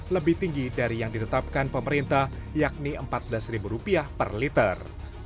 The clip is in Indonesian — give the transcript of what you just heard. lebih tinggi dari yang ditetapkan pemerintah yakni empat belas ribu rupiah per liter